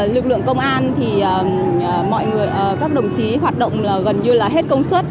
lực lượng công an các đồng chí hoạt động gần như là hết công suất